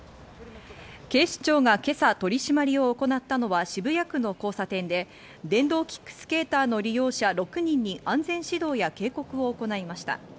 警視庁が今朝取り締まりを行ったのは渋谷区の交差点で、電動キックスケーターの利用者６人に安全指導や警告を行いました。